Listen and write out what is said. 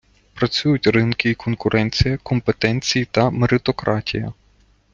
Працюють ринки і конкуренція, компетенції та меритократія.